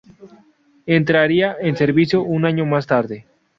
Entraría en servicio un año más tarde.